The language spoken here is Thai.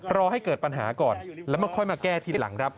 รอให้เกิดปัญหาก่อนแล้วมาค่อยมาแก้ทีหลังครับ